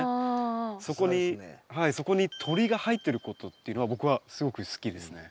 そこに「鳥」が入ってることっていうのは僕はすごく好きですね。